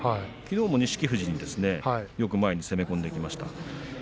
きのうも錦富士によく前に攻め込んでいきました。